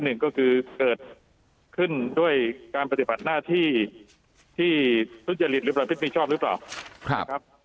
หนึ่งก็คือเกิดขึ้นด้วยการปฏิบัติหน้าที่ที่ทุจริตหรือประพฤติผิดชอบหรือเปล่านะครับ